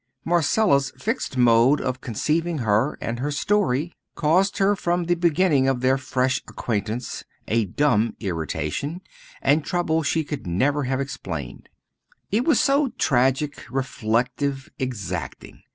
Marcella's fixed mode of conceiving her and her story caused her from the beginning of their fresh acquaintance a dumb irritation and trouble she could never have explained. It was so tragic, reflective, exacting.